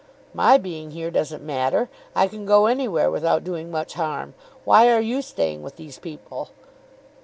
"My being here doesn't matter. I can go anywhere without doing much harm. Why are you staying with these people?"